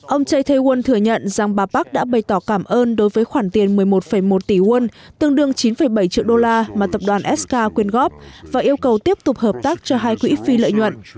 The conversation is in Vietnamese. ông cha tae world thừa nhận rằng bà park đã bày tỏ cảm ơn đối với khoản tiền một mươi một một tỷ won tương đương chín bảy triệu đô la mà tập đoàn sk quyên góp và yêu cầu tiếp tục hợp tác cho hai quỹ phi lợi nhuận